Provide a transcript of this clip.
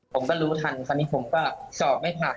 ผมก็รู้ทันคราวนี้ผมก็สอบไม่ผ่าน